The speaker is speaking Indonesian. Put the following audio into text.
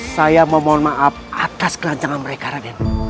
saya memohon maaf atas kerancangan mereka raden